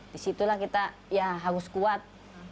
disitulah kita ya harus kuat